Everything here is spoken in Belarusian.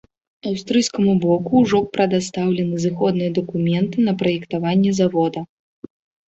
Аўстрыйскаму боку ўжо прадастаўлены зыходныя дакументы на праектаванне завода.